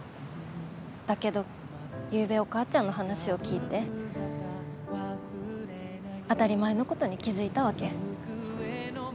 だけどゆうべお母ちゃんの話を聞いて当たり前のことに気付いたわけ。